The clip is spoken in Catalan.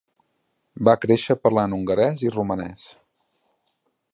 Va créixer parlant hongarès i romanès.